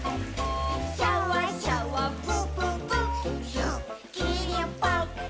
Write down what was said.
「シャワシャワプププすっきりぽっ」